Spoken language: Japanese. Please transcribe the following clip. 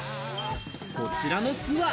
こちらの巣は。